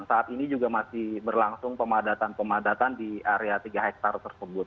saat ini juga masih berlangsung pemadatan pemadatan di area tiga hektare tersebut